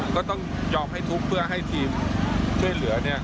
ก็ต้องยอมให้ทุบเพื่อให้ทีมช่วยเหลือ